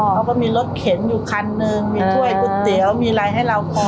เขาก็มีรถเข็นอยู่คันหนึ่งมีถ้วยก๋วยเตี๋ยวมีอะไรให้เราพอ